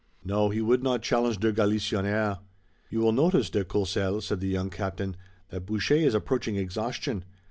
No, he would not challenge de Galisonnière. "You will notice, de Courcelles," said the young Captain, "that Boucher is approaching exhaustion.